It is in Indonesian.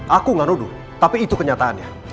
aku gak nuduh tapi itu kenyataannya